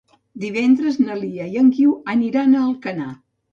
Divendres na Lia i en Guiu aniran a Alcanar.